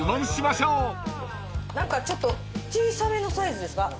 何かちょっと小さめのサイズですか？